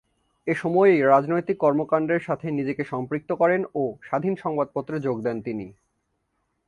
এ সময়েই রাজনৈতিক কর্মকাণ্ডের সাথে নিজেকে সম্পৃক্ত করেন ও স্বাধীন সংবাদপত্রে যোগ দেন তিনি।